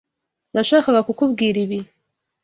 Nashakaga kukubwira ibi.